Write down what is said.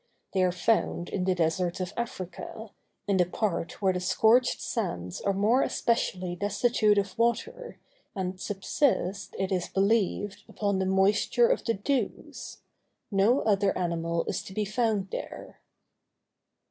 They are found in the deserts of Africa, in the parts where the scorched sands are more especially destitute of water, and subsist, it is believed, upon the moisture of the dews. No other animal is to be found there.